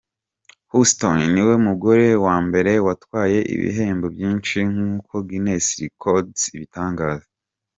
Houston niwe mugore wa mbere watwaye ibihembo byinshi nk’uko Guinness records ibitangaza.